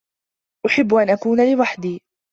احب أن اكون لوحدي